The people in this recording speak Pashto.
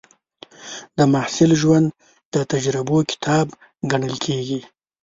د محصل ژوند د تجربو کتاب ګڼل کېږي.